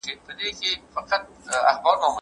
پروتستانان او کاتوليکان بېلابېل چلند لري.